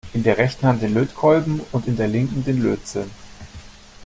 In der rechten Hand den Lötkolben und in der linken den Lötzinn.